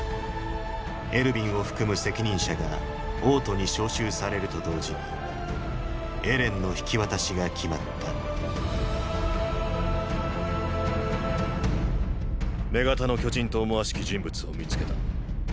エルヴィンを含む責任者が王都に招集されると同時にエレンの引き渡しが決まった女型の巨人と思わしき人物を見つけた。